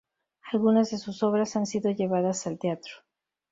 Algunas de sus obras han sido llevadas al teatro.